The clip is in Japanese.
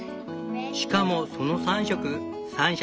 しかもその３色三者